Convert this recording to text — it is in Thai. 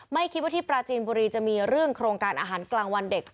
ไม่คิดว่าที่ปราจีนบุรีจะมีเรื่องโครงการอาหารกลางวันเด็ก